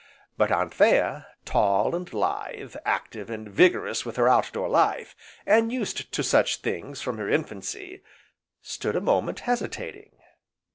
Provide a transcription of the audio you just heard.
But Anthea, tall, and lithe, active and vigorous with her outdoor life, and used to such things from her infancy, stood a moment hesitating.